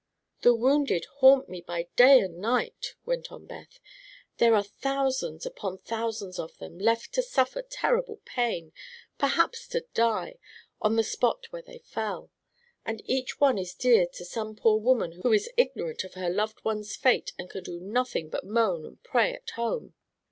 "The wounded haunt me by day and night," went on Beth. "There are thousands upon thousands of them, left to suffer terrible pain perhaps to die on the spot where they fell, and each one is dear to some poor woman who is ignorant of her loved one's fate and can do nothing but moan and pray at home."